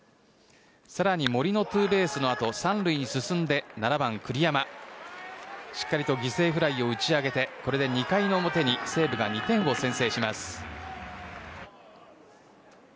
更に森のツーベースのあと３塁に進んで７番、栗山がしっかり犠牲フライを打ち上げてこれで２回の表に西武が２点を先制します。